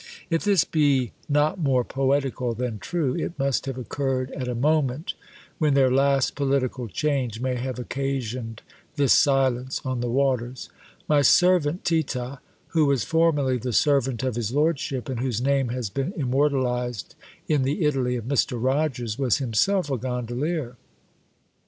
If this be not more poetical than true, it must have occurred at a moment when their last political change may have occasioned this silence on the waters. My servant Tita, who was formerly the servant of his lordship, and whose name has been immortalised in the "Italy" of Mr. Rogers, was himself a gondolier.